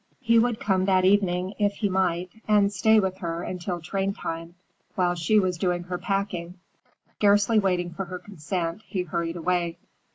He would come that evening, if he might, and stay with her until train time, while she was doing her packing. Scarcely waiting for her consent, he hurried away.